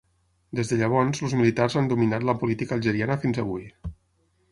Des de llavors, els militars han dominat la política algeriana fins avui.